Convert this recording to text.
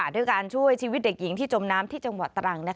ด้วยการช่วยชีวิตเด็กหญิงที่จมน้ำที่จังหวัดตรัง